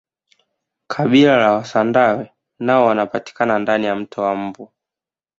kabila la wasandawe nao wanapatikana ndani ya mto wa mbu